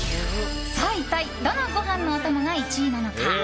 さあ、一体どのご飯のお供が１位なのか。